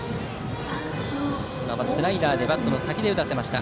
スライダーでバットの先で打たせました。